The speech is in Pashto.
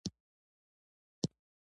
د دوی په رسټورانټ کې ډوډۍ لس ډالره ده.